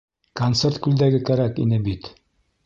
- Концерт күлдәге кәрәк ине бит.